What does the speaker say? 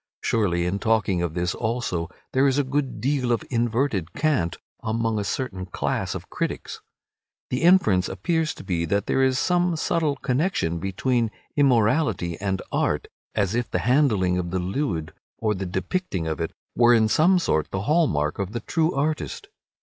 Surely in talking of this also there is a good deal of inverted cant among a certain class of critics. The inference appears to be that there is some subtle connection between immorality and art, as if the handling of the lewd, or the depicting of it, were in some sort the hallmark of the true artist.